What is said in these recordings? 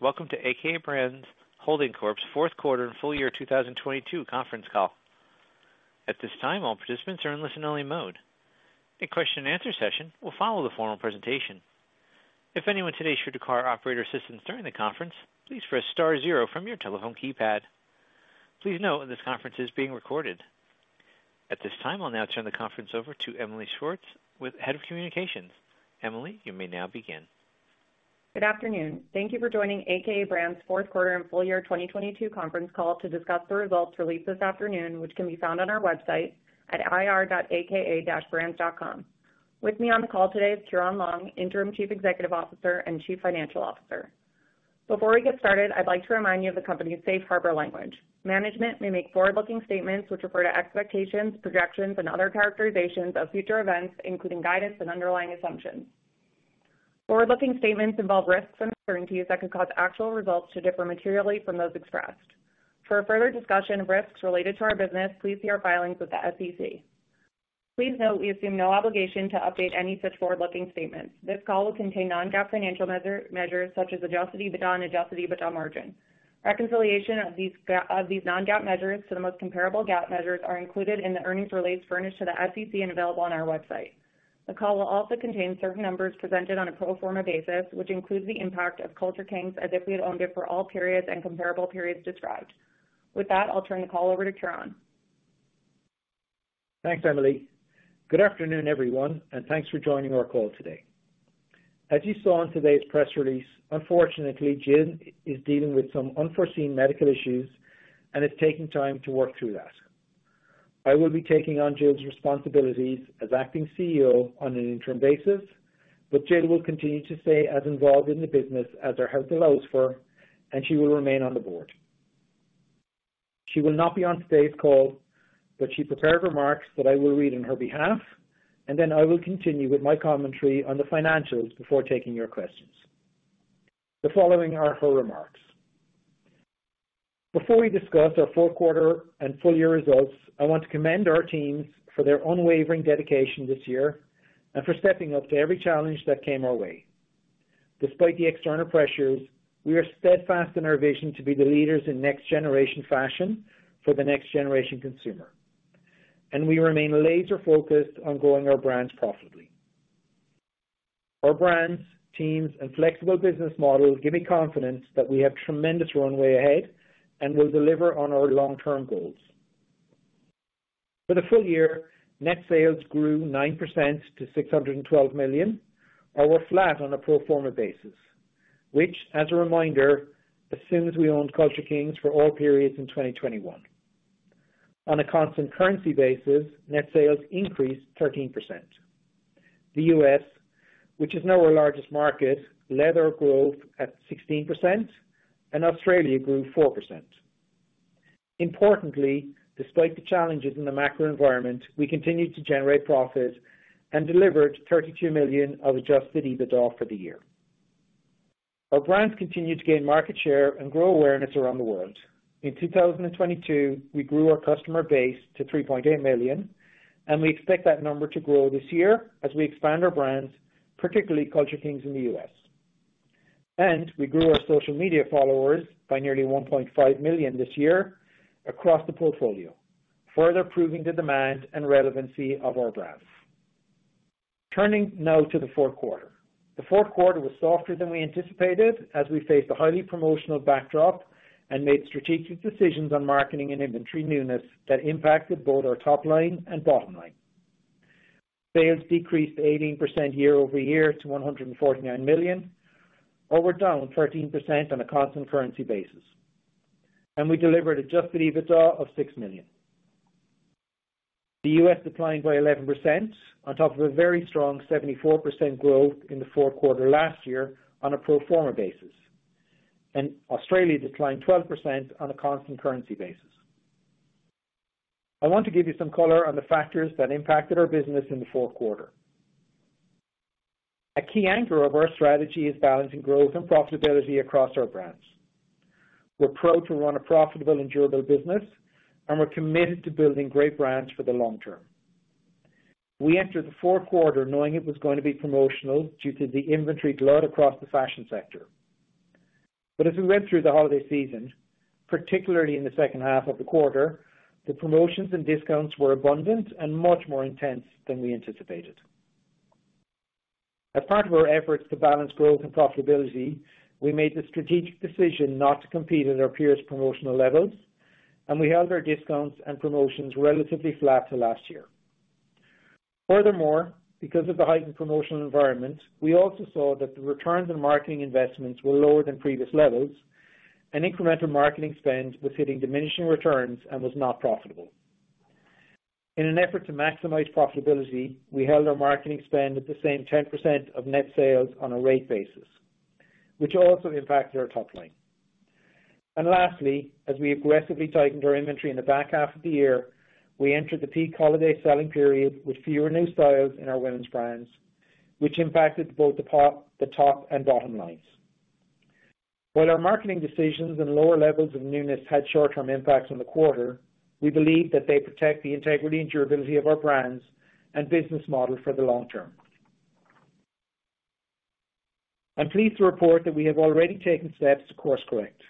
Welcome to a.k.a. Brands Holding Corp.'s fourth quarter and full year 2022 conference call. At this time, all participants are in listen only mode. A question and answer session will follow the formal presentation. If anyone today should require operator assistance during the conference, please press star zero from your telephone keypad. Please note this conference is being recorded. At this time, I'll now turn the conference over to Emily Schwartz, with Head of Communications. Emily, you may now begin. Good afternoon. Thank you for joining a.k.a. Brands fourth quarter and full year 2022 conference call to discuss the results released this afternoon, which can be found on our website at ir.aka-brands.com. With me on the call today is Ciaran Long, Interim Chief Executive Officer and Chief Financial Officer. Before we get started, I'd like to remind you of the company's Safe Harbor language. Management may make forward-looking statements which refer to expectations, projections, and other characterizations of future events, including guidance and underlying assumptions. Forward-looking statements involve risks and uncertainties that could cause actual results to differ materially from those expressed. For a further discussion of risks related to our business, please see our filings with the SEC. Please note, we assume no obligation to update any such forward-looking statements. This call will contain non-GAAP financial measures such as adjusted EBITDA and adjusted EBITDA margin. Reconciliation of these non-GAAP measures to the most comparable GAAP measures are included in the earnings release furnished to the SEC and available on our website. The call will also contain certain numbers presented on a pro forma basis, which includes the impact of Culture Kings as if we owned it for all periods and comparable periods described. With that, I'll turn the call over to Ciaran. Thanks, Emily. Good afternoon, everyone, and thanks for joining our call today. As you saw in today's press release, unfortunately, Jill is dealing with some unforeseen medical issues and is taking time to work through that. I will be taking on Jill's responsibilities as acting CEO on an interim basis, but Jill will continue to stay as involved in the business as her health allows for, and she will remain on the board. She will not be on today's call, but she prepared remarks that I will read on her behalf, and then I will continue with my commentary on the financials before taking your questions. The following are her remarks. Before we discuss our fourth quarter and full year results, I want to commend our teams for their unwavering dedication this year and for stepping up to every challenge that came our way. Despite the external pressures, we are steadfast in our vision to be the leaders in next generation fashion for the next generation consumer, and we remain laser focused on growing our brands profitably. Our brands, teams, and flexible business models give me confidence that we have tremendous runway ahead and will deliver on our long term goals. For the full year, net sales grew 9% to $612 million or were flat on a pro forma basis, which as a reminder, assumes we owned Culture Kings for all periods in 2021. On a constant currency basis, net sales increased 13%. The U.S., which is now our largest market, led our growth at 16% and Australia grew 4%. Importantly, despite the challenges in the macro environment, we continued to generate profit and delivered $32 million of adjusted EBITDA for the year. Our brands continued to gain market share and grow awareness around the world. In 2022, we grew our customer base to $3.8 million, we expect that number to grow this year as we expand our brands, particularly Culture Kings in the U.S. We grew our social media followers by nearly $1.5 million this year across the portfolio, further proving the demand and relevancy of our brands. Turning now to the fourth quarter. The fourth quarter was softer than we anticipated as we faced a highly promotional backdrop and made strategic decisions on marketing and inventory newness that impacted both our top line and bottom line. Sales decreased 18% year-over-year to $149 million, or were down 13% on a constant currency basis, and we delivered adjusted EBITDA of $6 million. The U.S. declined by 11% on top of a very strong 74% growth in the fourth quarter last year on a pro forma basis, and Australia declined 12% on a constant currency basis. I want to give you some color on the factors that impacted our business in the fourth quarter. A key anchor of our strategy is balancing growth and profitability across our brands. We're proud to run a profitable and durable business, and we're committed to building great brands for the long term. We entered the fourth quarter knowing it was going to be promotional due to the inventory glut across the fashion sector. As we went through the holiday season, particularly in the second half of the quarter, the promotions and discounts were abundant and much more intense than we anticipated. As part of our efforts to balance growth and profitability, we made the strategic decision not to compete at our peers' promotional levels, and we held our discounts and promotions relatively flat to last year. Furthermore, because of the heightened promotional environment, we also saw that the returns on marketing investments were lower than previous levels and incremental marketing spend was hitting diminishing returns and was not profitable. In an effort to maximize profitability, we held our marketing spend at the same 10% of net sales on a rate basis, which also impacted our top line. Lastly, as we aggressively tightened our inventory in the back half of the year, we entered the peak holiday selling period with fewer new styles in our women's brands, which impacted both the top and bottom lines. While our marketing decisions and lower levels of newness had short-term impacts on the quarter, we believe that they protect the integrity and durability of our brands and business model for the long term. I'm pleased to report that we have already taken steps to course correct.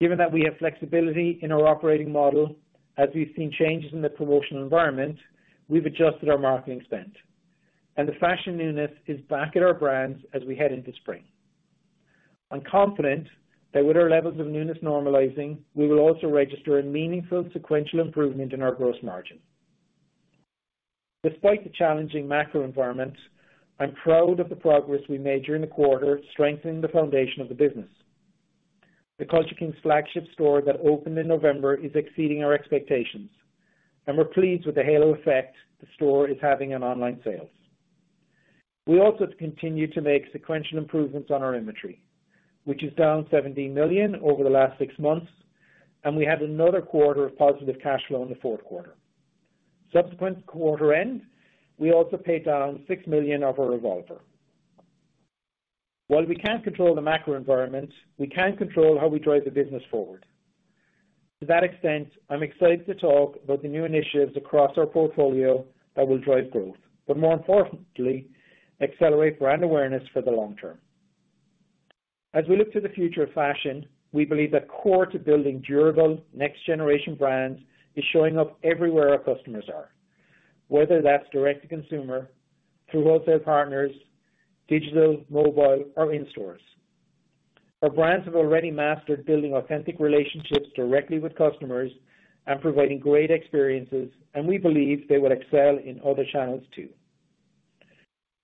Given that we have flexibility in our operating model, as we've seen changes in the promotional environment, we've adjusted our marketing spend, and the fashion newness is back at our brands as we head into spring. I'm confident that with our levels of newness normalizing, we will also register a meaningful sequential improvement in our gross margin. Despite the challenging macro environment, I'm proud of the progress we made during the quarter, strengthening the foundation of the business. The Culture Kings flagship store that opened in November is exceeding our expectations, and we're pleased with the halo effect the store is having on online sales. We also have continued to make sequential improvements on our inventory, which is down $17 million over the last six months, and we had another quarter of positive cash flow in the fourth quarter. Subsequent to quarter end, we also paid down $6 million of our revolver. While we can't control the macro environment, we can control how we drive the business forward. To that extent, I'm excited to talk about the new initiatives across our portfolio that will drive growth, but more importantly, accelerate brand awareness for the long term. As we look to the future of fashion, we believe that core to building durable next generation brands is showing up everywhere our customers are, whether that's direct to consumer, through wholesale partners, digital, mobile, or in stores. Our brands have already mastered building authentic relationships directly with customers and providing great experiences, and we believe they will excel in other channels too.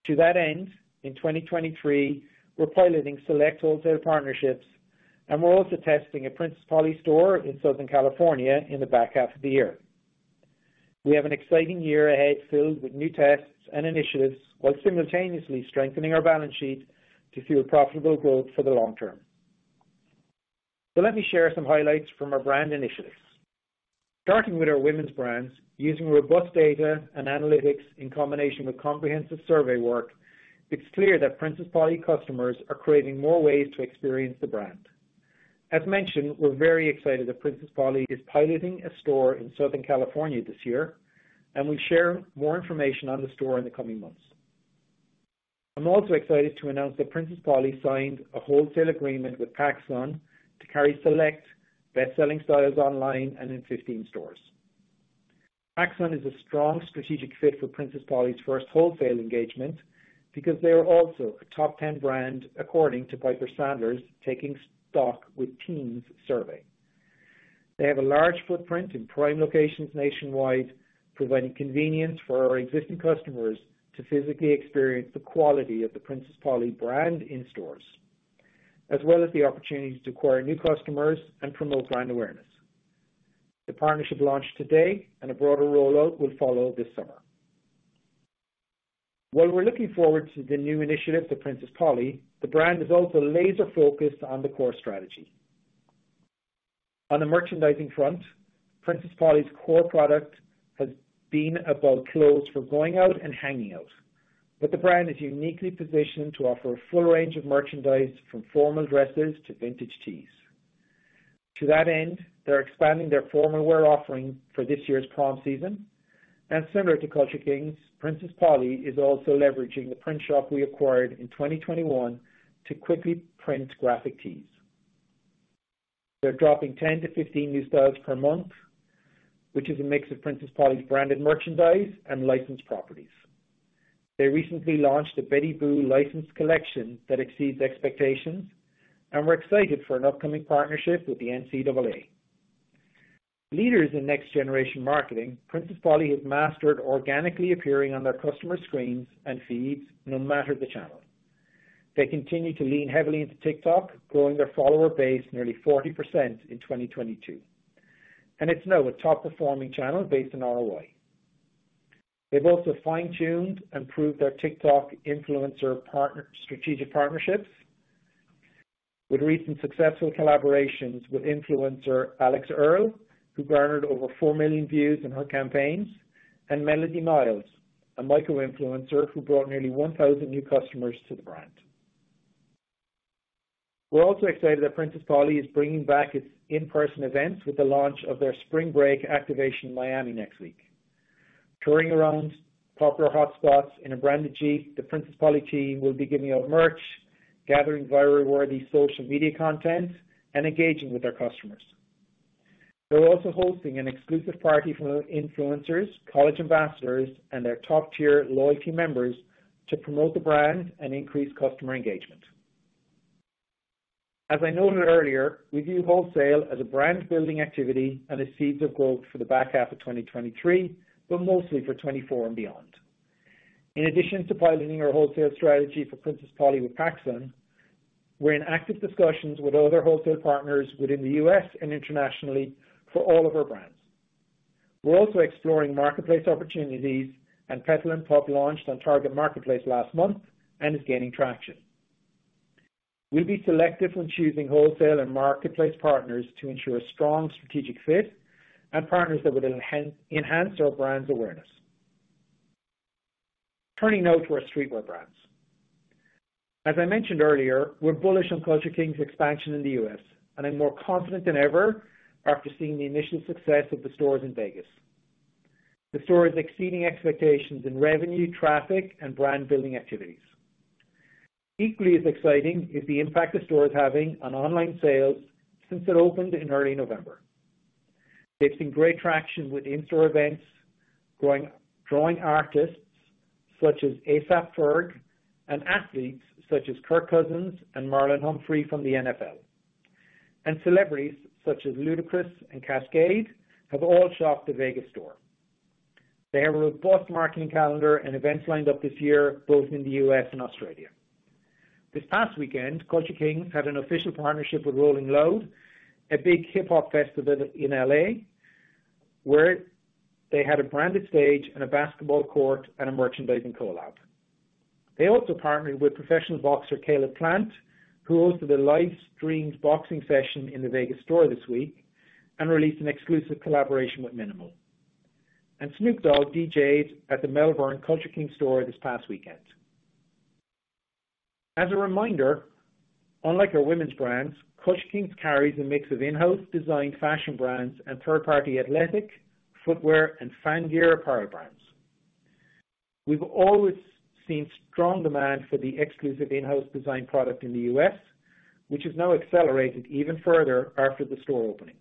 To that end, in 2023, we're piloting select wholesale partnerships, and we're also testing a Princess Polly store in Southern California in the back half of the year. We have an exciting year ahead filled with new tests and initiatives while simultaneously strengthening our balance sheet to fuel profitable growth for the long term. Let me share some highlights from our brand initiatives. Starting with our women's brands, using robust data and analytics in combination with comprehensive survey work, it's clear that Princess Polly customers are creating more ways to experience the brand. As mentioned, we're very excited that Princess Polly is piloting a store in Southern California this year, and we'll share more information on the store in the coming months. I'm also excited to announce that Princess Polly signed a wholesale agreement with Pacsun to carry select best-selling styles online and in 15 stores. Pacsun is a strong strategic fit for Princess Polly's first wholesale engagement because they are also a top 10 brand according to Piper Sandler's Taking Stock With Teens survey. They have a large footprint in prime locations nationwide, providing convenience for our existing customers to physically experience the quality of the Princess Polly brand in stores, as well as the opportunity to acquire new customers and promote brand awareness. The partnership launched today and a broader rollout will follow this summer. While we're looking forward to the new initiatives at Princess Polly, the brand is also laser focused on the core strategy. On the merchandising front, Princess Polly's core product has been about clothes for going out and hanging out, but the brand is uniquely positioned to offer a full range of merchandise from formal dresses to vintage tees. To that end, they're expanding their formal wear offering for this year's prom season. Similar to Culture Kings, Princess Polly is also leveraging the print shop we acquired in 2021 to quickly print graphic tees. They're dropping 10-15 new styles per month, which is a mix of Princess Polly's branded merchandise and licensed properties. They recently launched a Betty Boop licensed collection that exceeds expectations, and we're excited for an upcoming partnership with the NCAA. Leaders in next generation marketing, Princess Polly has mastered organically appearing on their customer screens and feeds no matter the channel. They continue to lean heavily into TikTok, growing their follower base nearly 40% in 2022. It's now a top performing channel based on ROI. They've also fine-tuned and improved their TikTok influencer strategic partnerships with recent successful collaborations with influencer Alix Earle, who garnered over 4 million views in her campaigns, and Melody Miles, a micro-influencer who brought nearly 1,000 new customers to the brand. We're also excited that Princess Polly is bringing back its in-person events with the launch of their spring break activation in Miami next week. Touring around popular hotspots in a branded Jeep, the Princess Polly team will be giving out merch, gathering viral-worthy social media content, and engaging with their customers. They're also hosting an exclusive party for influencers, college ambassadors, and their top-tier loyalty members to promote the brand and increase customer engagement. As I noted earlier, we view wholesale as a brand building activity and the seeds of growth for the back half of 2023, but mostly for 2024 and beyond. In addition to piloting our wholesale strategy for Princess Polly with Pacsun, we're in active discussions with other wholesale partners within the U.S. and internationally for all of our brands. We're also exploring marketplace opportunities. Petal & Pup launched on Target Plus last month and is gaining traction. We'll be selective when choosing wholesale and marketplace partners to ensure a strong strategic fit and partners that would enhance our brand's awareness. Turning now to our streetwear brands. As I mentioned earlier, we're bullish on Culture Kings expansion in the U.S., and I'm more confident than ever after seeing the initial success of the stores in Vegas. The store is exceeding expectations in revenue, traffic, and brand building activities. Equally as exciting is the impact the store is having on online sales since it opened in early November. They've seen great traction with in-store events, drawing artists such as A$AP Ferg, and athletes such as Kirk Cousins and Marlon Humphrey from the NFL. Celebrities such as Ludacris and Cardi B have all shopped the Vegas store. They have a robust marketing calendar and events lined up this year, both in the U.S. and Australia. This past weekend, Culture Kings had an official partnership with Rolling Loud, a big hip-hop festival in L.A., where they had a branded stage and a basketball court and a merchandising collab. They also partnered with professional boxer Caleb Plant, who hosted a live streamed boxing session in the Vegas store this week and released an exclusive collaboration with mnml. Snoop Dogg DJ'd at the Melbourne Culture Kings store this past weekend. As a reminder, unlike our women's brands, Culture Kings carries a mix of in-house designed fashion brands and third-party athletic, footwear, and fan gear apparel brands. We've always seen strong demand for the exclusive in-house design product in the U.S., which has now accelerated even further after the store opening.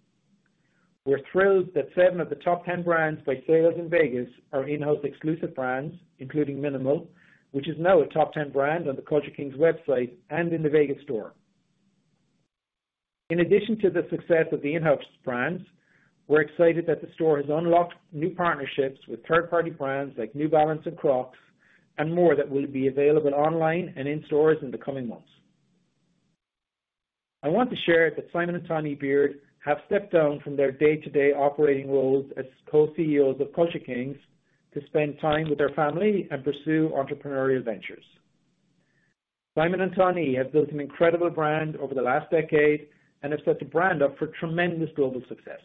We're thrilled that 7 of the top 10 brands by sales in Vegas are in-house exclusive brands, including mnml, which is now a top 10 brand on the Culture Kings website and in the Vegas store. In addition to the success of the in-house brands, we're excited that the store has unlocked new partnerships with third-party brands like New Balance and Crocs and more that will be available online and in stores in the coming months. I want to share that Simon and Tah-nee Beard have stepped down from their day-to-day operating roles as co-CEOs of Culture Kings to spend time with their family and pursue entrepreneurial ventures. Simon and Tah-nee have built an incredible brand over the last decade and have set the brand up for tremendous global success.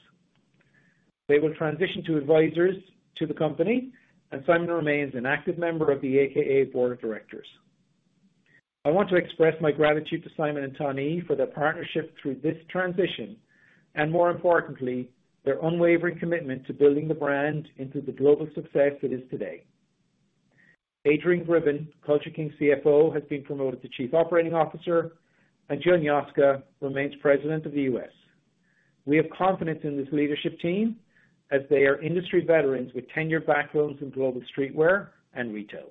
They will transition to advisors to the company, and Simon remains an active member of the AKA board of directors. I want to express my gratitude to Simon and Tanit for their partnership through this transition and more importantly, their unwavering commitment to building the brand into the global success it is today. Adrian Gribbin, Culture Kings CFO, has been promoted to Chief Operating Officer, and Joe Gnosca remains president of the U.S. We have confidence in this leadership team as they are industry veterans with tenured backgrounds in global streetwear and retail.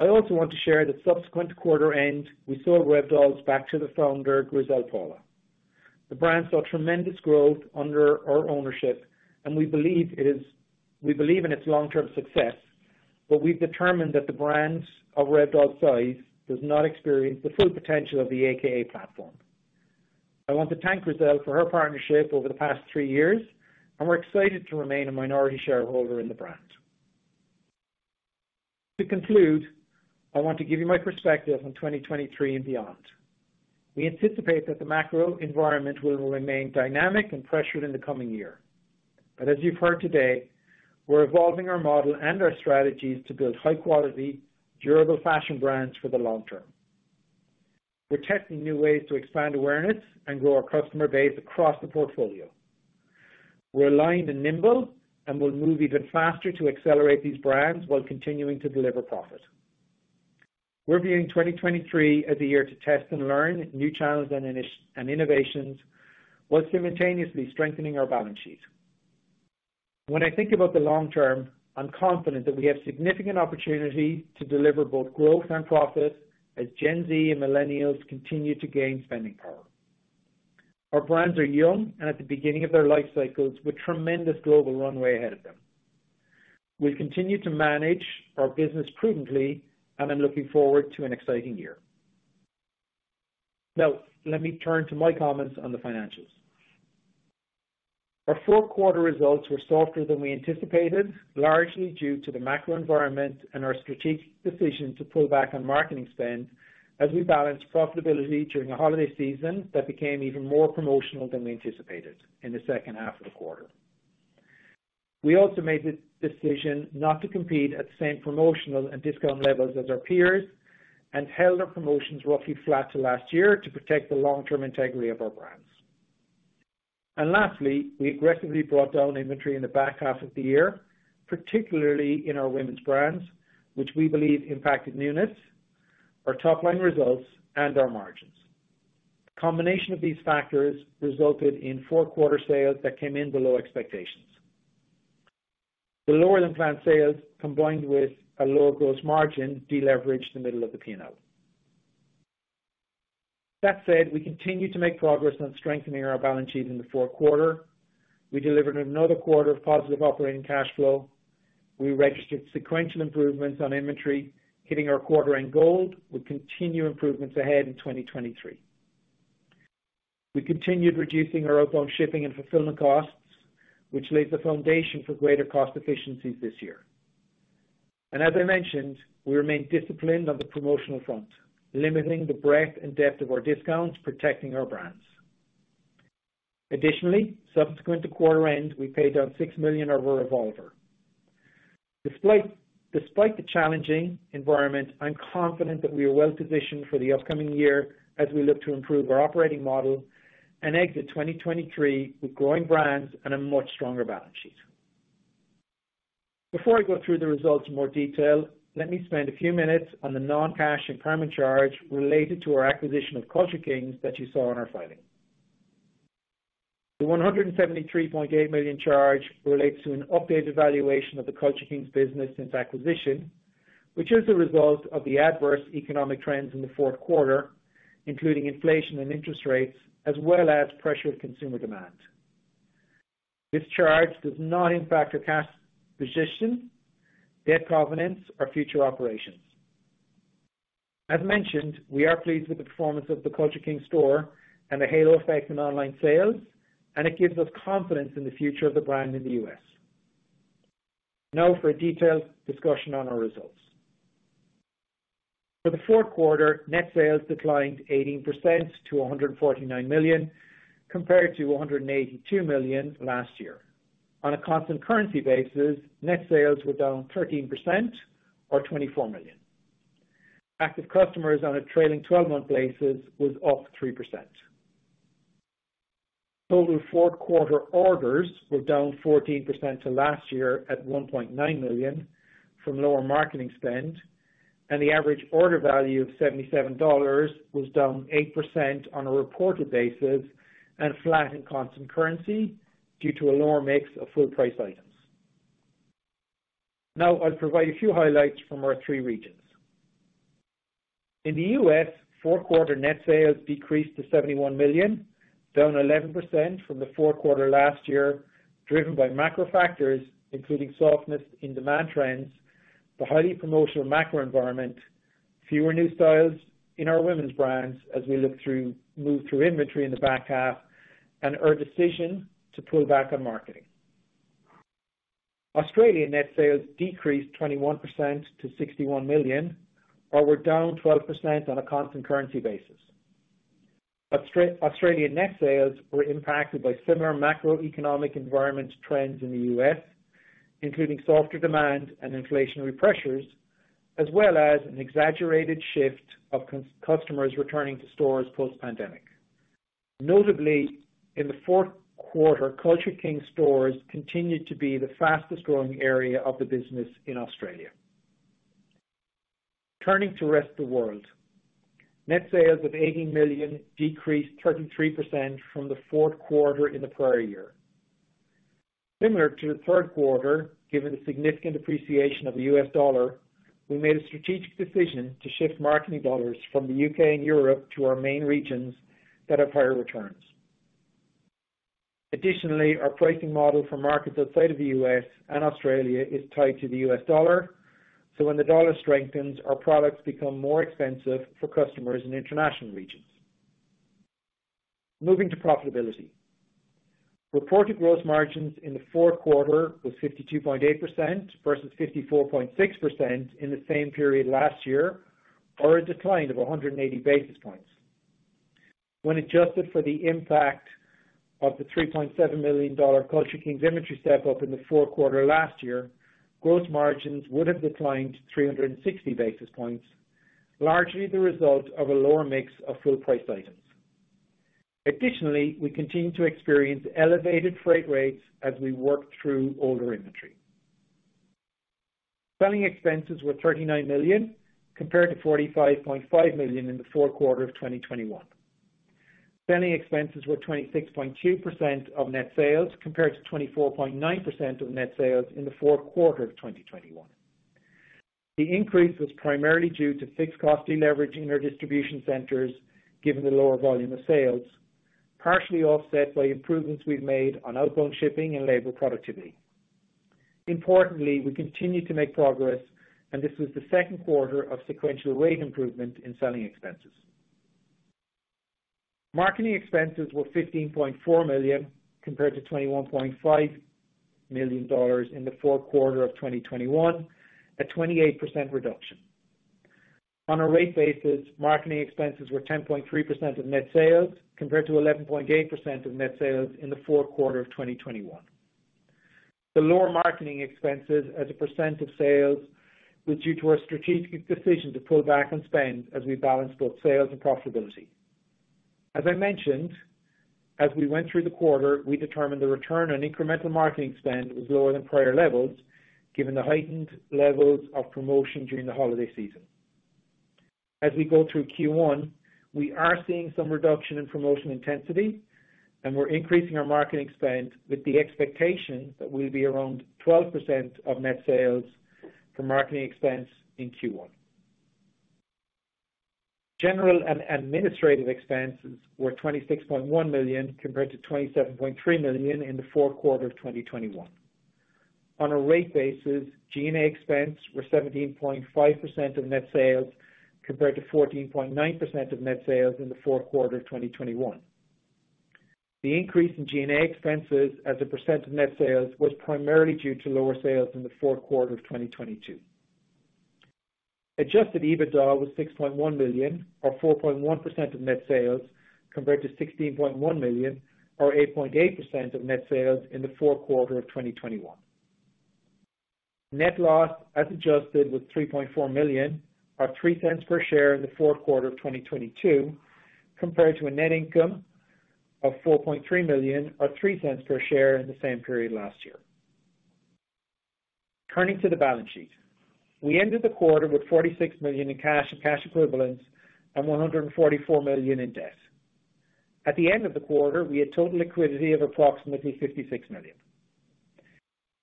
I also want to share that subsequent to quarter end, we sold Rebdolls back to the founder, Grisel Paula. The brand saw tremendous growth under our ownership, and we believe in its long-term success, but we've determined that the brands of Rebdolls size does not experience the full potential of the a.k.a. platform. I want to thank Grisel for her partnership over the past three years. We're excited to remain a minority shareholder in the brand. To conclude, I want to give you my perspective on 2023 and beyond. We anticipate that the macro environment will remain dynamic and pressured in the coming year. As you've heard today, we're evolving our model and our strategies to build high quality, durable fashion brands for the long term. We're testing new ways to expand awareness and grow our customer base across the portfolio. We're aligned and nimble and will move even faster to accelerate these brands while continuing to deliver profit. We're viewing 2023 as a year to test and learn new channels and innovations while simultaneously strengthening our balance sheet. When I think about the long term, I'm confident that we have significant opportunity to deliver both growth and profit as Gen Z and millennials continue to gain spending power. Our brands are young and at the beginning of their life cycles with tremendous global runway ahead of them. We'll continue to manage our business prudently, and I'm looking forward to an exciting year. Now, let me turn to my comments on the financials. Our fourth quarter results were softer than we anticipated, largely due to the macro environment and our strategic decision to pull back on marketing spend as we balanced profitability during a holiday season that became even more promotional than we anticipated in the second half of the quarter. We also made the decision not to compete at the same promotional and discount levels as our peers and held our promotions roughly flat to last year to protect the long-term integrity of our brands. Lastly, we aggressively brought down inventory in the back half of the year, particularly in our women's brands, which we believe impacted new units, our top-line results, and our margins. Combination of these factors resulted in fourth quarter sales that came in below expectations. The lower-than-plan sales, combined with a lower gross margin, deleveraged the middle of the P&L. That said, we continue to make progress on strengthening our balance sheet in the fourth quarter. We delivered another quarter of positive operating cash flow. We registered sequential improvements on inventory, hitting our quarter end goal with continued improvements ahead in 2023. We continued reducing our outbound shipping and fulfillment costs, which lays the foundation for greater cost efficiencies this year. As I mentioned, we remain disciplined on the promotional front, limiting the breadth and depth of our discounts, protecting our brands. Additionally, subsequent to quarter end, we paid down $6 million of our revolver. Despite the challenging environment, I'm confident that we are well-positioned for the upcoming year as we look to improve our operating model and exit 2023 with growing brands and a much stronger balance sheet. Before I go through the results in more detail, let me spend a few minutes on the non-cash impairment charge related to our acquisition of Culture Kings that you saw in our filing. The $173.8 million charge relates to an updated valuation of the Culture Kings business since acquisition, which is the result of the adverse economic trends in the fourth quarter, including inflation and interest rates, as well as pressured consumer demand. This charge does not impact our cash position, debt covenants or future operations. As mentioned, we are pleased with the performance of the Culture Kings store and the halo effect on online sales, and it gives us confidence in the future of the brand in the U.S. For a detailed discussion on our results. For the fourth quarter, net sales declined 18% to $149 million compared to $182 million last year. On a constant currency basis, net sales were down 13% or $24 million. Active customers on a trailing twelve-month basis was up 3%. Total fourth quarter orders were down 14% to last year at 1.9 million from lower marketing spend, and the average order value of $77 was down 8% on a reported basis and flat in constant currency due to a lower mix of full price items. I'll provide a few highlights from our three regions. In the U.S., fourth quarter net sales decreased to $71 million, down 11% from the fourth quarter last year, driven by macro factors including softness in demand trends, the highly promotional macro environment, fewer new styles in our women's brands as we move through inventory in the back half, and our decision to pull back on marketing. Australian net sales decreased 21% to $61 million, or were down 12% on a constant currency basis. Australia net sales were impacted by similar macroeconomic environment trends in the U.S., including softer demand and inflationary pressures, as well as an exaggerated shift of customers returning to stores post-pandemic. Notably, in the fourth quarter, Culture Kings stores continued to be the fastest growing area of the business in Australia. Turning to rest of the world. Net sales of $80 million decreased 33% from the fourth quarter in the prior year. Similar to the third quarter, given the significant appreciation of the U.S. dollar, we made a strategic decision to shift marketing dollars from the U.K. and Europe to our main regions that have higher returns. Additionally, our pricing model for markets outside of the U.S. and Australia is tied to the U.S. dollar, so when the dollar strengthens, our products become more expensive for customers in international regions. Moving to profitability. Reported gross margins in the fourth quarter was 52.8% versus 54.6% in the same period last year, or a decline of 180 basis points. When adjusted for the impact of the $3.7 million Culture Kings inventory step-up in the fourth quarter last year, gross margins would have declined 360 basis points, largely the result of a lower mix of full price items. Additionally, we continue to experience elevated freight rates as we work through older inventory. Selling expenses were $39 million, compared to $45.5 million in the fourth quarter of 2021. Selling expenses were 26.2% of net sales, compared to 24.9% of net sales in the fourth quarter of 2021. The increase was primarily due to fixed cost deleveraging our distribution centers, given the lower volume of sales, partially offset by improvements we've made on outbound shipping and labor productivity. Importantly, we continue to make progress and this was the second quarter of sequential rate improvement in selling expenses. Marketing expenses were $15.4 million compared to $21.5 million in the fourth quarter of 2021, a 28% reduction. On a rate basis, marketing expenses were 10.3% of net sales, compared to 11.8% of net sales in the fourth quarter of 2021. The lower marketing expenses as a % of sales was due to our strategic decision to pull back on spend as we balance both sales and profitability. As I mentioned, as we went through the quarter, we determined the return on incremental marketing spend was lower than prior levels, given the heightened levels of promotion during the holiday season. As we go through Q1, we are seeing some reduction in promotional intensity, and we're increasing our marketing spend with the expectation that we'll be around 12% of net sales for marketing expense in Q1. General and administrative expenses were $26.1 million compared to $27.3 million in the fourth quarter of 2021. On a rate basis, G&A expense were 17.5% of net sales, compared to 14.9% of net sales in the fourth quarter of 2021. The increase in G&A expenses as a percent of net sales was primarily due to lower sales in the fourth quarter of 2022. Adjusted EBITDA was $6.1 million or 4.1% of net sales compared to $16.1 million or 8.8% of net sales in the fourth quarter of 2021. Net loss as adjusted was $3.4 million or $0.03 per share in the fourth quarter of 2022 compared to a net income of $4.3 million or $0.03 per share in the same period last year. Turning to the balance sheet. We ended the quarter with $46 million in cash and cash equivalents and $144 million in debt. At the end of the quarter, we had total liquidity of approximately $56 million.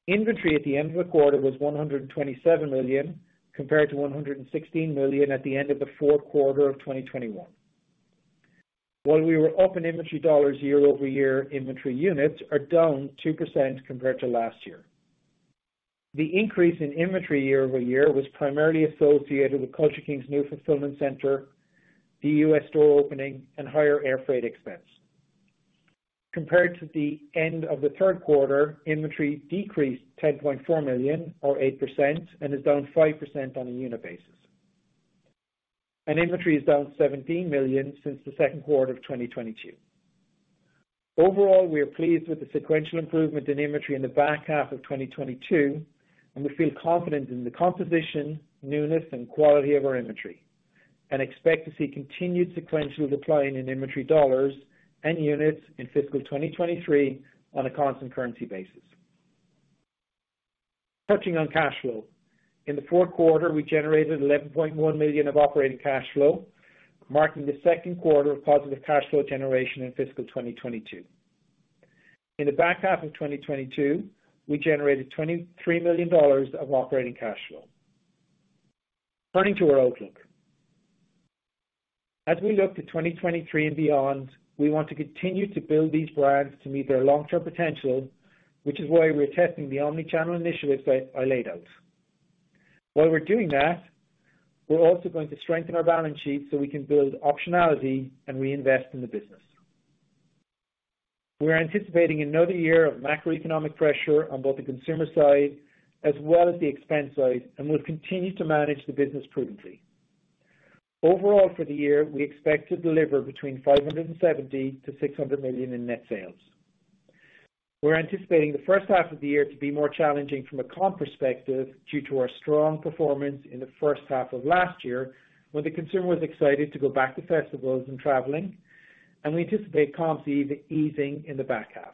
Inventory at the end of the quarter was $127 million compared to $116 million at the end of the fourth quarter of 2021. While we were up in inventory dollars year-over-year, inventory units are down 2% compared to last year. The increase in inventory year-over-year was primarily associated with Culture Kings' new fulfillment center, the U.S. store opening and higher air freight expense. Compared to the end of the third quarter, inventory decreased $10.4 million or 8% and is down 5% on a unit basis. Inventory is down $17 million since the second quarter of 2022. Overall, we are pleased with the sequential improvement in inventory in the back half of 2022, and we feel confident in the composition, newness, and quality of our inventory and expect to see continued sequential decline in inventory dollars and units in fiscal 2023 on a constant currency basis. Touching on cash flow. In the fourth quarter, we generated $11.1 million of operating cash flow, marking the second quarter of positive cash flow generation in fiscal 2022. In the back half of 2022, we generated $23 million of operating cash flow. Turning to our outlook. As we look to 2023 and beyond, we want to continue to build these brands to meet their long-term potential, which is why we're testing the omni-channel initiatives I laid out. While we're doing that, we're also going to strengthen our balance sheet so we can build optionality and reinvest in the business. We're anticipating another year of macroeconomic pressure on both the consumer side as well as the expense side. We'll continue to manage the business prudently. Overall, for the year, we expect to deliver between $570 million-$600 million in net sales. We're anticipating the first half of the year to be more challenging from a comp perspective, due to our strong performance in the first half of last year when the consumer was excited to go back to festivals and traveling. We anticipate comps easing in the back half.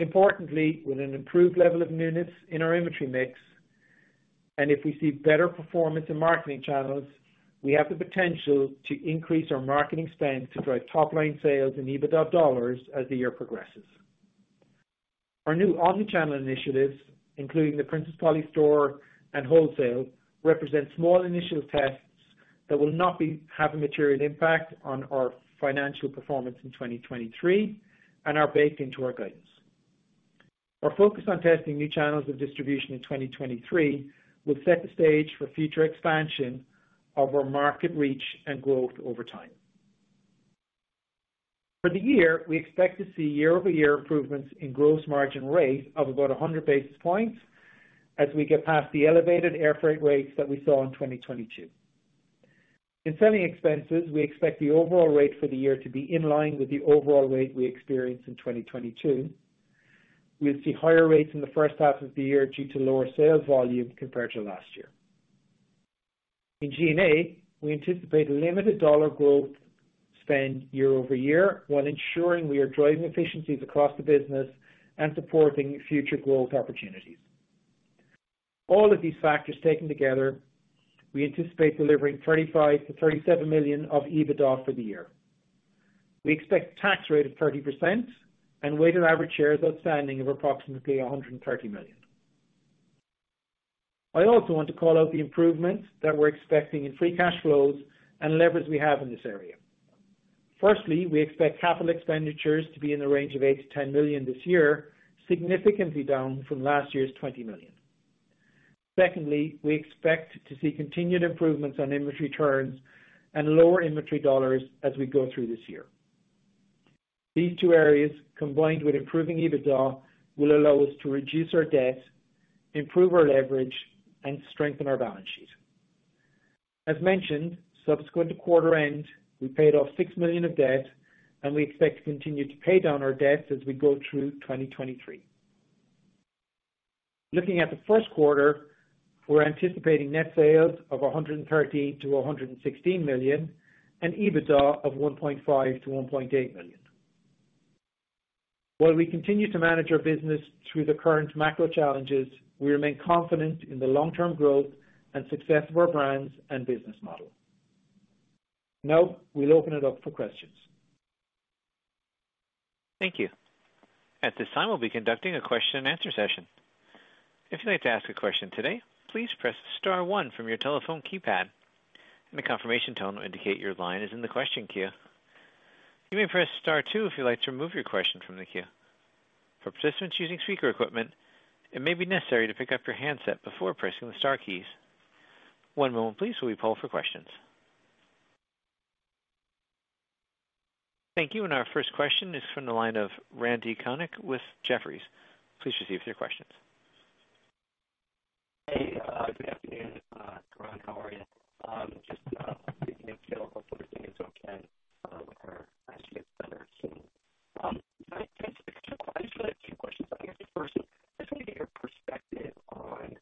Importantly, with an improved level of newness in our inventory mix, and if we see better performance in marketing channels, we have the potential to increase our marketing spend to drive top line sales and EBITDA dollars as the year progresses. Our new omni-channel initiatives, including the Princess Polly store and wholesale, represent small initial tests that will not have a material impact on our financial performance in 2023 and are baked into our guidance. Our focus on testing new channels of distribution in 2023 will set the stage for future expansion of our market reach and growth over time. For the year, we expect to see year-over-year improvements in gross margin rate of about 100 basis points as we get past the elevated airfreight rates that we saw in 2022. In selling expenses, we expect the overall rate for the year to be in line with the overall rate we experienced in 2022. We'll see higher rates in the first half of the year due to lower sales volume compared to last year. In G&A, we anticipate limited dollar growth spend year-over-year while ensuring we are driving efficiencies across the business and supporting future growth opportunities. All of these factors taken together, we anticipate delivering $35 million-$37 million of EBITDA for the year. We expect tax rate of 30% and weighted average shares outstanding of approximately $130 million. I also want to call out the improvements that we're expecting in free cash flows and leverage we have in this area. Firstly, we expect capital expenditures to be in the range of $8 million-$10 million this year, significantly down from last year's $20 million. Secondly, we expect to see continued improvements on inventory turns and lower inventory dollars as we go through this year. These two areas, combined with improving EBITDA, will allow us to reduce our debt, improve our leverage, and strengthen our balance sheet. As mentioned, subsequent to quarter end, we paid off $6 million of debt, and we expect to continue to pay down our debt as we go through 2023. Looking at the first quarter, we're anticipating net sales of $113 million-$116 million and EBITDA of $1.5 million-$1.8 million. While we continue to manage our business through the current macro challenges, we remain confident in the long-term growth and success of our brands and business model. Now, we'll open it up for questions. Thank you. At this time, we'll be conducting a question-and-answer session. If you'd like to ask a question today, please press star one from your telephone keypad, and a confirmation tone will indicate your line is in the question queue. You may press star two if you'd like to remove your question from the queue. For participants using speaker equipment, it may be necessary to pick up your handset before pressing the star keys. One moment please, while we poll for questions. Thank you. Our first question is from the line of Randy Konik with Jefferies. Please proceed with your questions. Hey, good afternoon, Sean. How are you? Just thinking of Jill. Hopefully, everything is okay with her as she gets better soon. I just really have 2 questions. I guess the first one, I just want to get your perspective on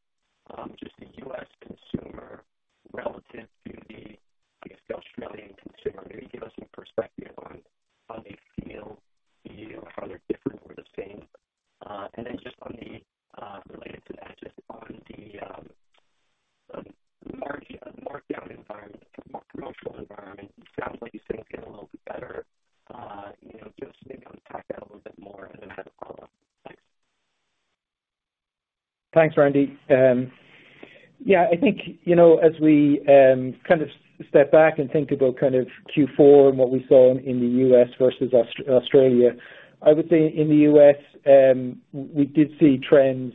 just the U.S. consumer relative to the, I guess, the Australian consumer. Maybe give us some perspective on how they feel to you, how they're different or the same. Then just on the related to that, just on the markdown environment, pro-promotional environment. Sounds like things get a little bit better. You know, just maybe unpack that a little bit more then I have a follow-up. Thanks. Thanks, Randy. Yeah, I think, you know, as we kind of step back and think about kind of Q4 and what we saw in the U.S. versus Australia, I would say in the U.S., we did see trends,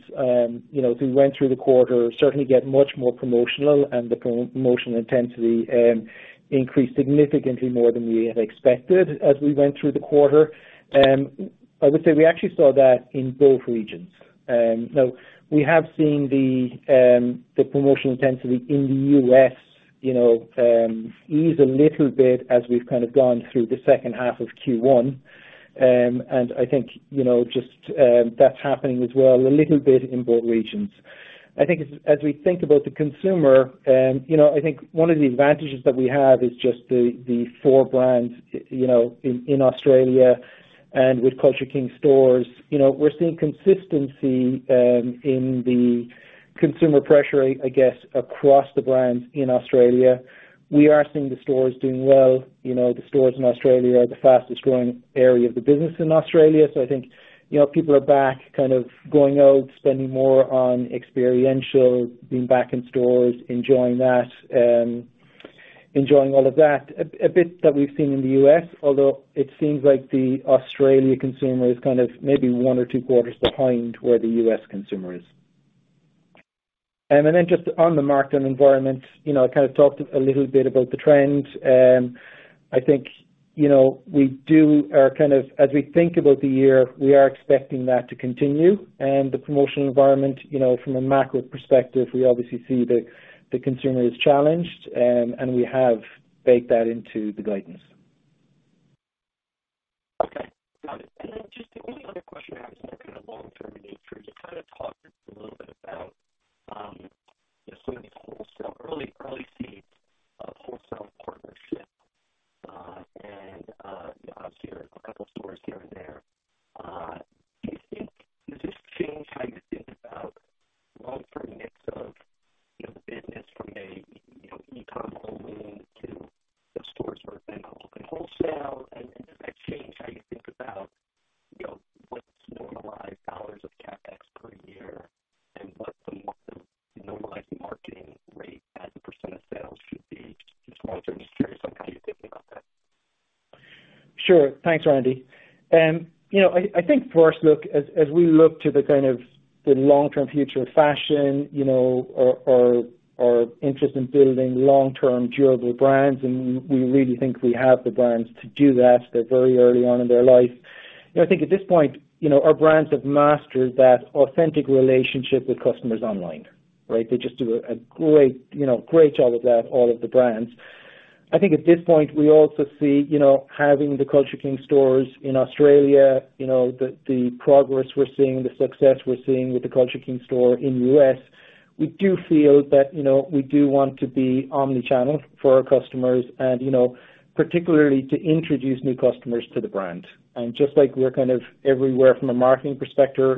you know, as we went through the quarter, certainly get much more promotional and the promotional intensity increased significantly more than we had expected as we went through the quarter. I would say we actually saw that in both regions. Now we have seen the promotional intensity in the U.S., you know, ease a little bit as we've kind of gone through the second half of Q1. I think, you know, just that's happening as well a little bit in both regions. I think as we think about the consumer, you know, I think one of the advantages that we have is just the four brands, you know, in Australia and with Culture Kings stores. You know, we're seeing consistency, in the consumer pressure rate, I guess, across the brands in Australia. We are seeing the stores doing well. You know, the stores in Australia are the fastest growing area of the business in Australia. I think, you know, people are back kind of going out, spending more on experiential, being back in stores, enjoying that, enjoying all of that. A bit that we've seen in the U.S., although it seems like the Australia consumer is kind of maybe 1 or 2 quarters behind where the U.S. consumer is. Just on the markdown environment, you know, I kind of talked a little bit about the trends. I think, you know, we do as we think about the year, we are expecting that to continue. The promotional environment, you know, from a macro perspective, we obviously see the consumer is challenged. We have baked that into the guidance. Okay. Got it. Then just the only other question I have is more kind of long-term nature. You kind of talked a little bit about, you know, some of these wholesale early seeds of wholesale partnership, and, obviously 2 stores here and there. Do you think... Does this change how you think about long-term mix of, you know, the business from a, you know, eCom only to stores or even wholesale? Does that change how you think about, you know, what's normalized $ of CapEx per year and what the normalized marketing rate as a % of sales should be just long term? Just curious on how you think about that. Sure. Thanks, Randy. you know, I think for us, look, as we look to the kind of the long-term future of fashion, you know, our interest in building long-term durable brands, and we really think we have the brands to do that. They're very early on in their life. You know, I think at this point, you know, our brands have mastered that authentic relationship with customers online, right? They just do a great, you know, great job of that, all of the brands. I think at this point, we also see, you know, having the Culture Kings stores in Australia, you know, the progress we're seeing, the success we're seeing with the Culture Kings store in U.S., we do feel that, you know, we do want to be omnichannel for our customers and, you know, particularly to introduce new customers to the brand. Just like we're kind of everywhere from a marketing perspective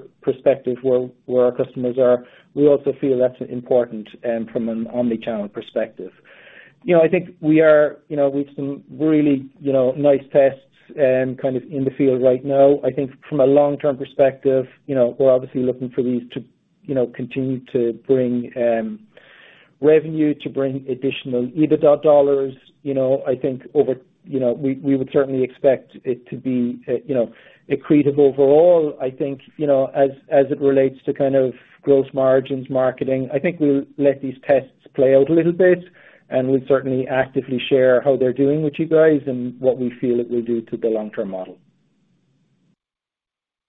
where our customers are, we also feel that's important from an omnichannel perspective. You know, I think we are, you know, with some really, you know, nice tests kind of in the field right now. I think from a long-term perspective, you know, we're obviously looking for these to, you know, continue to bring revenue, to bring additional EBITDA dollars. You know, I think over. You know, we would certainly expect it to be, you know, accretive overall. I think, you know, as it relates to kind of gross margins marketing, I think we'll let these tests play out a little bit. We'd certainly actively share how they're doing with you guys and what we feel it will do to the long-term model.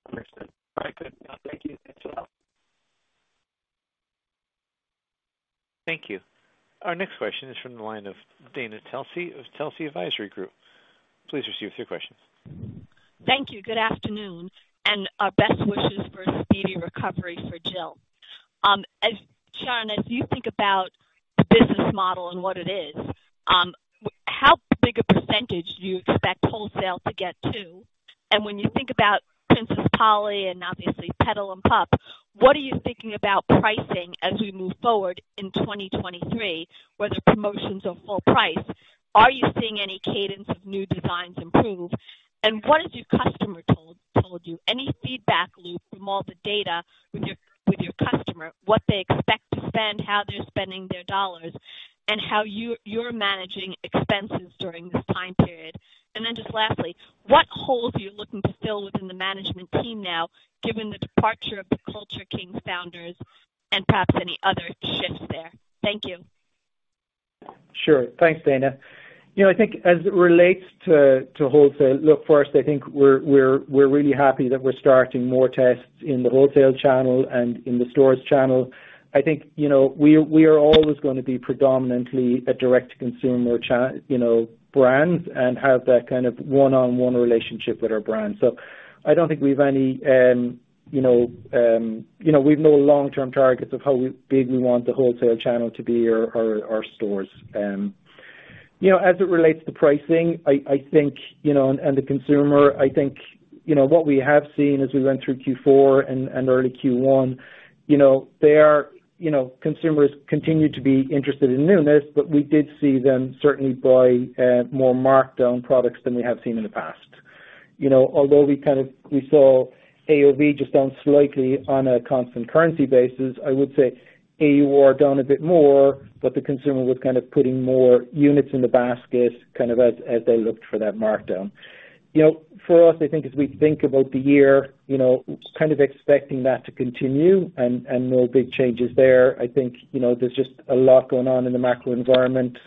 Understood. All right. Good. Thank you. Thanks a lot. Thank you. Our next question is from the line of Dana Telsey of Telsey Advisory Group. Please receive your questions. Thank you. Good afternoon, our best wishes for a speedy recovery for Jill. Sean, as you think about the business model and what it is, how big a % do you expect wholesale to get to? When you think about Princess Polly and obviously Petal & Pup, what are you thinking about pricing as we move forward in 2023, whether promotions or full price? Are you seeing any cadence of new designs improved? What has your customer told you? Any feedback loop from all the data with your customer, what they expect to spend, how they're spending their $, and how you're managing expenses during this time period. Just lastly, what holes are you looking to fill within the management team now, given the departure of the Culture Kings founders and perhaps any other shifts there? Thank you. Sure. Thanks, Dana. I think as it relates to wholesale, look, first, I think we're really happy that we're starting more tests in the wholesale channel and in the stores channel. We are always gonna be predominantly a direct-to-consumer brand and have that kind of one-on-one relationship with our brand. I don't think we've any long-term targets of how big we want the wholesale channel to be or our stores. You know, as it relates to pricing, I think, you know, and the consumer, I think, you know, what we have seen as we went through Q4 and early Q1, you know, consumers continue to be interested in newness, but we did see them certainly buy more marked down products than we have seen in the past. You know, although we saw AOV just down slightly on a constant currency basis, I would say, AU or down a bit more, but the consumer was kind of putting more units in the basket kind of as they looked for that markdown. You know, for us, I think as we think about the year, you know, kind of expecting that to continue and no big changes there. I think, you know, there's just a lot going on in the macro environment,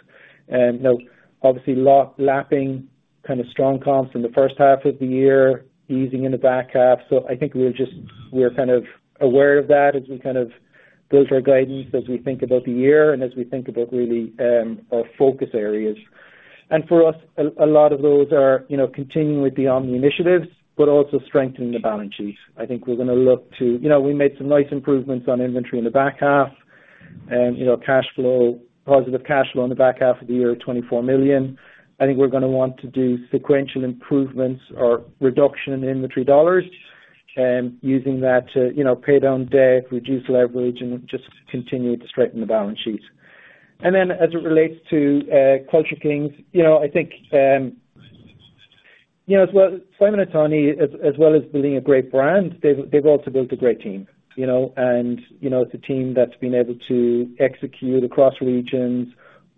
you know, obviously lapping kind of strong comps in the first half of the year, easing in the back half. I think we're kind of aware of that as we kind of build our guidance as we think about the year and as we think about really, our focus areas. For us, a lot of those are, you know, continuing with the omni initiatives, but also strengthening the balance sheet. I think we're gonna look to. You know, we made some nice improvements on inventory in the back half and, you know, cash flow, positive cash flow in the back half of the year, $24 million. I think we're gonna want to do sequential improvements or reduction in inventory dollars, using that to, you know, pay down debt, reduce leverage, and just continue to strengthen the balance sheet. As it relates to Culture Kings, you know, I think, you know, Simon and Tony as well as building a great brand, they've also built a great team, you know. You know, it's a team that's been able to execute across regions,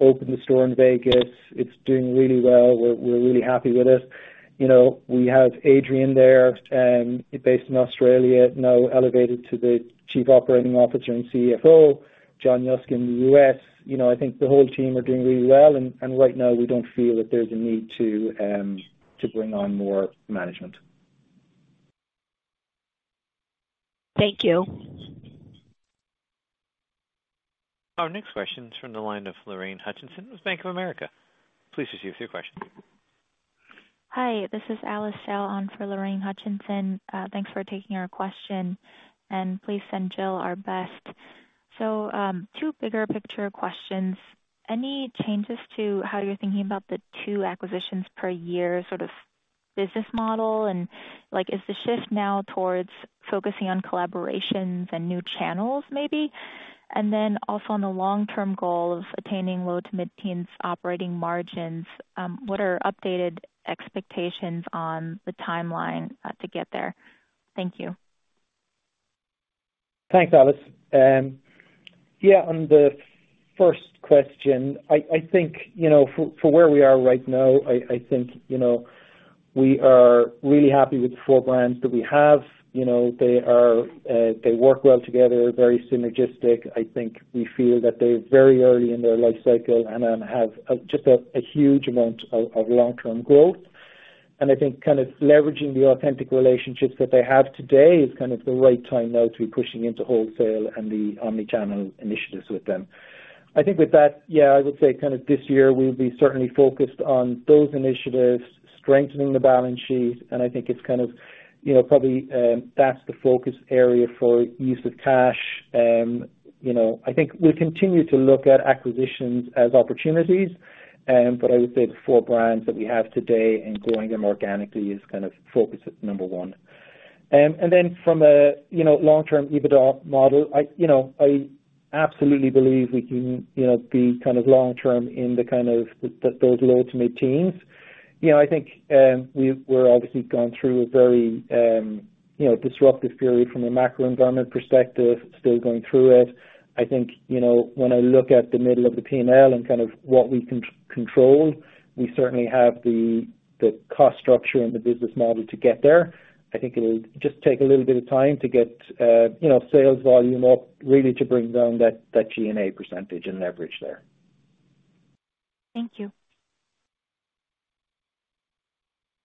open the store in Vegas. It's doing really well. We're really happy with it. You know, we have Adrian there, based in Australia, now elevated to the Chief Operating Officer and CFO, Jonathan Yuska in the U.S. You know, I think the whole team are doing really well, and right now we don't feel that there's a need to bring on more management. Thank you. Our next question is from the line of Lorraine Hutchinson with Bank of America. Please proceed with your question. Hi, this is Alice Sal on for Lorraine Hutchinson. Thanks for taking our question, please send Jill our best. Two bigger picture questions. Any changes to how you're thinking about the two acquisitions per year, sort of business model? Like, is the shift now towards focusing on collaborations and new channels maybe? Also on the long-term goal of attaining low to mid-teens operating margins, what are updated expectations on the timeline to get there? Thank you. Thanks, Alice. Yeah, on the first question, I think, you know, for where we are right now, I think, you know, we are really happy with the four brands that we have. You know, they are they work well together, very synergistic. I think we feel that they're very early in their life cycle and have a, just a huge amount of long-term growth. I think kind of leveraging the authentic relationships that they have today is kind of the right time now to be pushing into wholesale and the omni-channel initiatives with them. I think with that, yeah, I would say kind of this year we'll be certainly focused on those initiatives, strengthening the balance sheet, I think it's kind of, you know, probably, that's the focus area for use of cash. You know, I think we continue to look at acquisitions as opportunities, but I would say the four brands that we have today and growing them organically is kind of focus at number one. From a, you know, long-term EBITDA model, I, you know, I absolutely believe we can, you know, be kind of long term in kind of those low to mid-teens. You know, I think, we're obviously gone through a very, you know, disruptive period from a macro environment perspective, still going through it. I think, you know, when I look at the middle of the P&L and kind of what we control, we certainly have the cost structure and the business model to get there. I think it'll just take a little bit of time to get, you know, sales volume up, really to bring down that G&A percentage and leverage there. Thank you.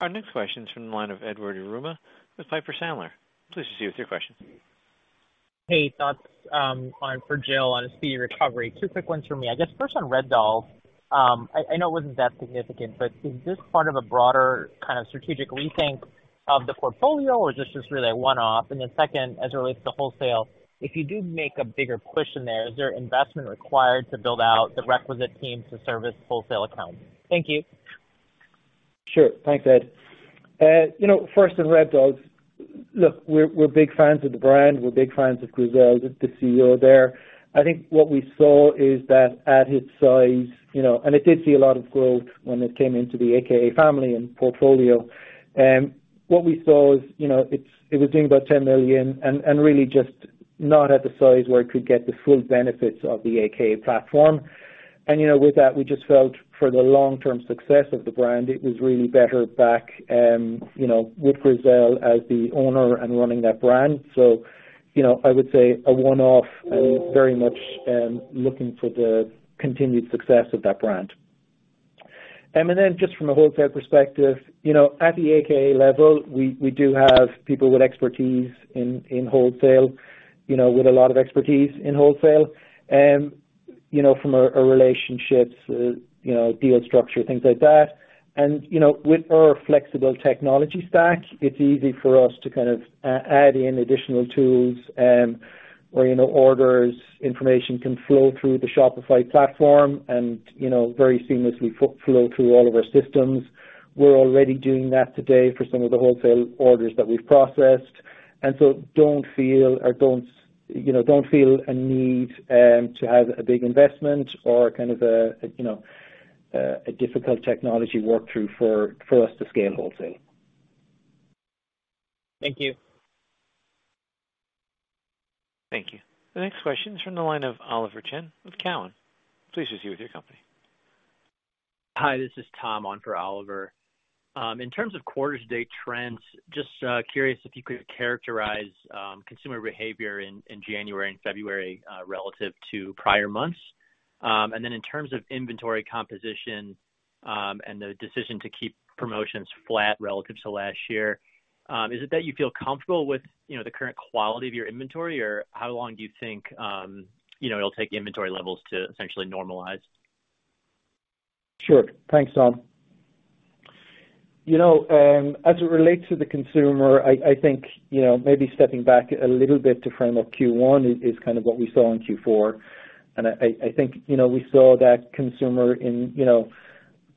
Our next question is from the line of Edward Yruma with Piper Sandler. Please proceed with your question. Hey, thoughts on for Jill on a speedy recovery. Two quick ones for me. I guess first on Rebdolls. I know it wasn't that significant, but is this part of a broader kind of strategic rethink of the portfolio or is this just really a one-off? Second, as it relates to wholesale, if you do make a bigger push in there, is there investment required to build out the requisite teams to service wholesale accounts? Thank you. Sure. Thanks, Ed. You know, first on Rebdolls. Look, we're big fans of the brand. We're big fans of Grisel, the CEO there. I think what we saw is that at its size, you know, and it did see a lot of growth when it came into the AKA family and portfolio. What we saw is, you know, it was doing about $10 million and really just not at the size where it could get the full benefits of the AKA platform. You know, with that, we just felt for the long-term success of the brand, it was really better back, you know, with Grisel as the owner and running that brand. You know, I would say a one-off and very much looking for the continued success of that brand. Just from a wholesale perspective, you know, at the a.k.a. level, we do have people with expertise in wholesale, you know, with a lot of expertise in wholesale. You know, from our relationships, you know, deal structure, things like that. You know, with our flexible technology stack, it's easy for us to kind of add in additional tools, where, you know, orders, information can flow through the Shopify platform and, you know, very seamlessly flow through all of our systems. We're already doing that today for some of the wholesale orders that we've processed. Don't feel or don't, you know, don't feel a need to have a big investment or kind of a, you know, a difficult technology work through for us to scale wholesale. Thank you. Thank you. The next question is from the line of Oliver Chen of Cowen. Please proceed with your company. Hi, this is Tom on for Oliver. In terms of quarters date trends, just curious if you could characterize consumer behavior in January and February relative to prior months. In terms of inventory composition, and the decision to keep promotions flat relative to last year, is it that you feel comfortable with, you know, the current quality of your inventory, or how long do you think, you know, it'll take the inventory levels to essentially normalize? Sure. Thanks, Tom. You know, as it relates to the consumer, I think, you know, maybe stepping back a little bit to frame up Q1 is kind of what we saw in Q4. I think, you know, we saw that consumer in, you know,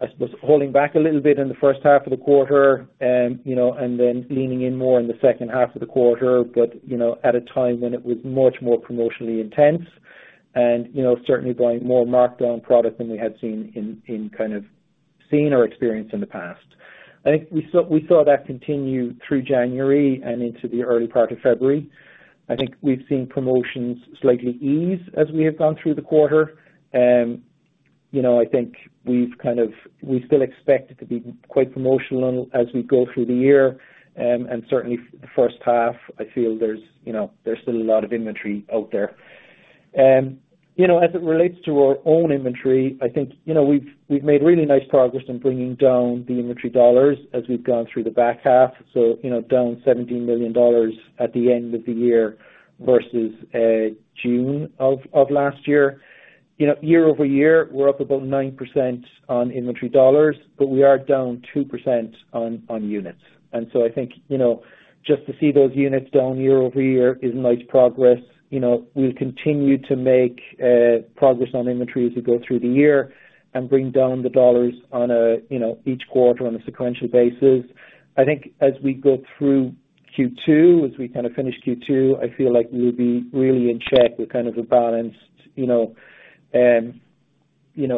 I suppose, holding back a little bit in the first half of the quarter, you know, and then leaning in more in the second half of the quarter. You know, at a time when it was much more promotionally intense and, you know, certainly buying more markdown product than we had seen in kind of seen or experienced in the past. I think we saw that continue through January and into the early part of February. I think we've seen promotions slightly ease as we have gone through the quarter. You know, I think we still expect it to be quite promotional as we go through the year. Certainly first half, I feel there's, you know, there's still a lot of inventory out there. You know, as it relates to our own inventory, I think, you know, we've made really nice progress in bringing down the inventory dollars as we've gone through the back half. You know, down $17 million at the end of the year versus June of last year. You know, year-over-year, we're up about 9% on inventory dollars, but we are down 2% on units. I think, you know, just to see those units down year-over-year is nice progress. You know, we'll continue to make progress on inventory as we go through the year and bring down the dollars on a, you know, each quarter on a sequential basis. I think as we go through Q2, as we kind of finish Q2, I feel like we'll be really in check with kind of a balanced, you know,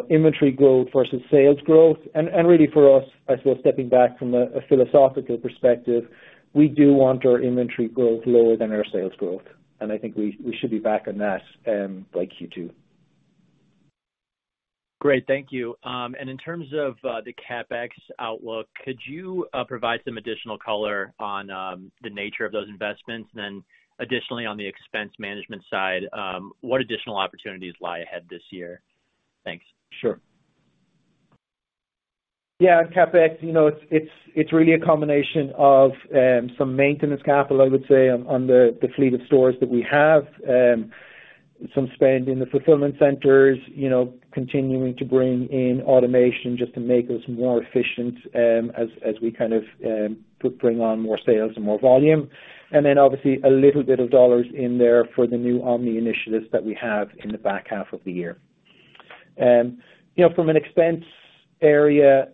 inventory growth versus sales growth. Really for us, I suppose stepping back from a philosophical perspective, we do want our inventory growth lower than our sales growth, and I think we should be back on that by Q2. Great. Thank you. In terms of the CapEx outlook, could you provide some additional color on the nature of those investments? Additionally, on the expense management side, what additional opportunities lie ahead this year? Thanks. Sure. Yeah, CapEx, you know, it's really a combination of some maintenance capital, I would say on the fleet of stores that we have. Some spend in the fulfillment centers, you know, continuing to bring in automation just to make us more efficient as we kind of bring on more sales and more volume. Obviously a little bit of dollars in there for the new omni initiatives that we have in the back half of the year. You know, from an expense area,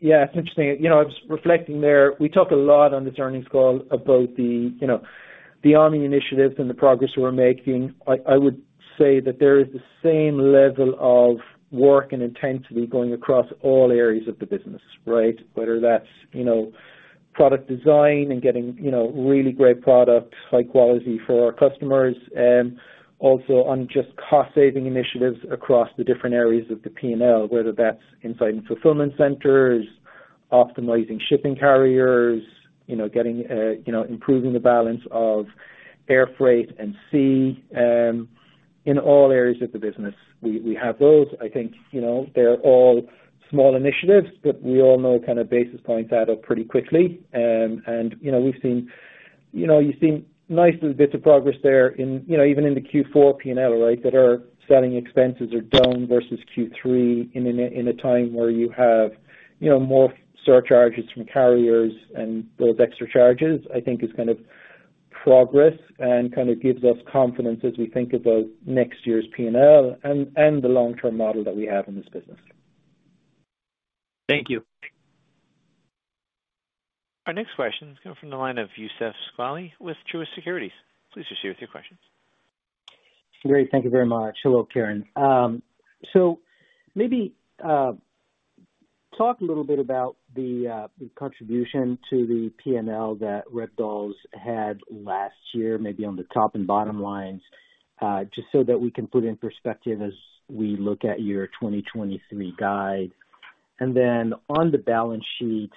yeah, it's interesting. You know, I was reflecting there. We talk a lot on this earnings call about the omni initiatives and the progress we're making. I would say that there is the same level of work and intensity going across all areas of the business, right? Whether that's, you know, product design and getting, you know, really great products, high quality for our customers. Also on just cost saving initiatives across the different areas of the P&L, whether that's inside and fulfillment centers, optimizing shipping carriers, you know, getting, improving the balance of air freight and sea, in all areas of the business. We have those. I think, you know, they're all small initiatives, but we all know kind of basis points add up pretty quickly. You know, we've seen, you know, you've seen nice little bits of progress there in, you know, even in the Q4 P&L, right? That our selling expenses are down versus Q3 in a time where you have, you know, more surcharges from carriers and those extra charges, I think is kind of progress and kind of gives us confidence as we think about next year's P&L and the long-term model that we have in this business. Thank you. Our next question is coming from the line of Youssef Squali with Truist Securities. Please proceed with your questions. Great. Thank you very much. Hello, Ciaran. So maybe talk a little bit about the contribution to the P&L that Rebdolls had last year, maybe on the top and bottom lines, just so that we can put in perspective as we look at your 2023 guide. On the balance sheet,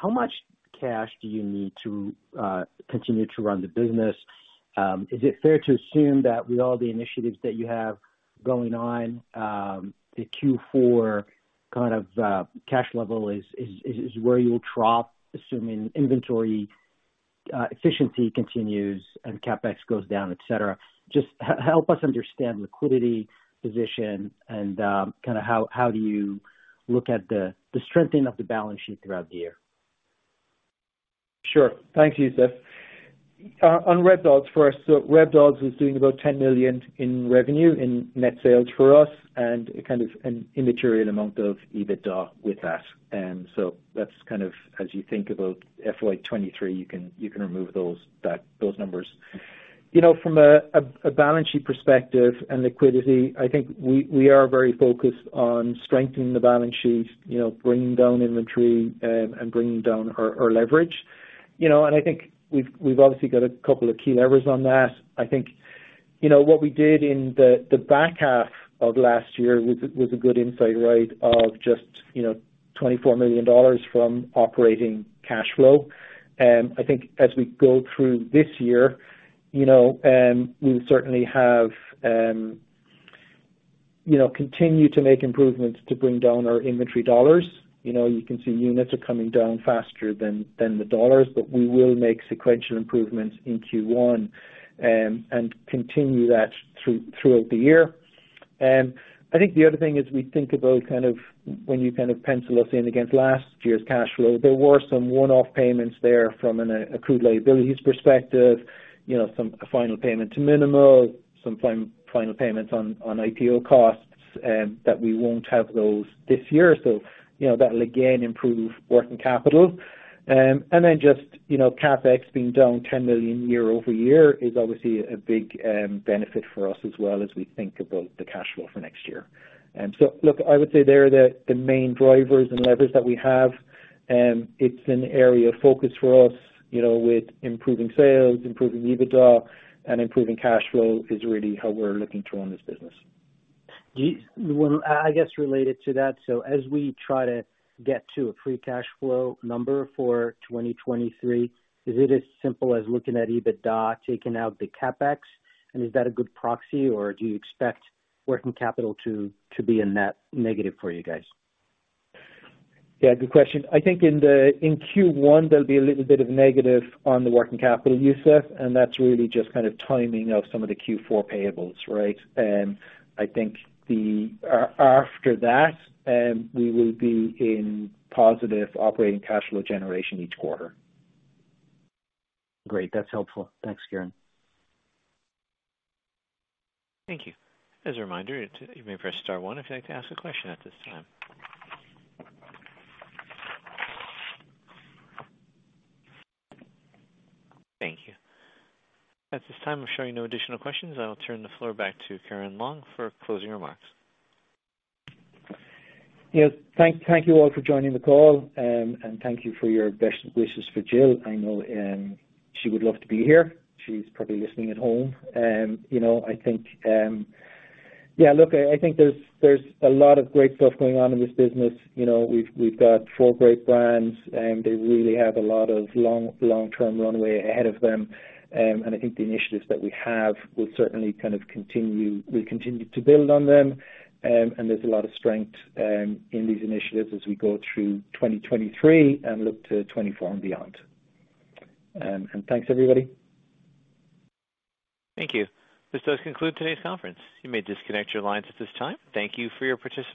how much cash do you need to continue to run the business? Is it fair to assume that with all the initiatives that you have going on, the Q4 kind of cash level is where you'll drop, assuming inventory efficiency continues and CapEx goes down, et cetera. Just help us understand liquidity position and kinda how do you look at the strengthening of the balance sheet throughout the year? Sure. Thank you, Youssef. On Rebdolls first. Rebdolls was doing about $10 million in revenue in net sales for us and kind of an immaterial amount of EBITDA with that. That's kind of as you think about FY 2023, you can, you can remove those, that, those numbers. You know, from a, a balance sheet perspective and liquidity, I think we are very focused on strengthening the balance sheet, you know, bringing down inventory, and bringing down our leverage. You know, I think we've obviously got a couple of key levers on that. I think, you know, what we did in the back half of last year was a, was a good insight, right, of just, you know, $24 million from operating cash flow. I think as we go through this year, you know, we'll certainly have, you know, continue to make improvements to bring down our inventory dollars. You know, you can see units are coming down faster than the dollars, but we will make sequential improvements in Q1 and continue that throughout the year. I think the other thing is we think about kind of when you kind of pencil us in against last year's cash flow, there were some one-off payments there from an accrued liabilities perspective, you know, some final payment to mnml, some final payments on IPO costs that we won't have those this year. You know, that'll again improve working capital. Just, you know, CapEx being down $10 million year-over-year is obviously a big benefit for us as well as we think about the cash flow for next year. Look, I would say they're the main drivers and levers that we have. It's an area of focus for us, you know, with improving sales, improving EBITDA, and improving cash flow is really how we're looking to run this business. Well, I guess related to that, as we try to get to a free cash flow number for 2023, is it as simple as looking at EBITDA, taking out the CapEx, and is that a good proxy, or do you expect working capital to be a net negative for you guys? Good question. I think in Q1, there'll be a little bit of negative on the working capital, Youssef, and that's really just kind of timing of some of the Q4 payables, right? I think after that, we will be in positive operating cash flow generation each quarter. Great. That's helpful. Thanks, Ciaran Long. Thank you. As a reminder, you may press star 1 if you'd like to ask a question at this time. Thank you. At this time, I'm showing no additional questions. I'll turn the floor back to Ciaran Long for closing remarks. Yeah. Thank you all for joining the call. Thank you for your best wishes for Jill. I know she would love to be here. She's probably listening at home. You know, I think, yeah, look, I think there's a lot of great stuff going on in this business. You know, we've got four great brands, they really have a lot of long-term runway ahead of them. I think the initiatives that we have will certainly kind of continue. We'll continue to build on them. There's a lot of strength in these initiatives as we go through 2023 and look to 24 and beyond. Thanks everybody. Thank you. This does conclude today's conference. You may disconnect your lines at this time. Thank you for your participation.